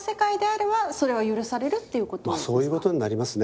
まあそういうことになりますね。